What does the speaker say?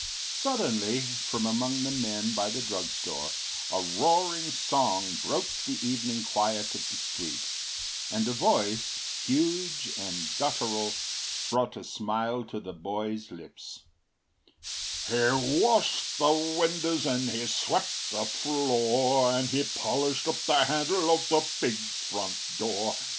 Suddenly, from among the men by the drug store, a roaring song broke the evening quiet of the street, and a voice, huge and guttural, brought a smile to the boy’s lips: “He washed the windows and he swept the floor, And he polished up the handle of the big front door.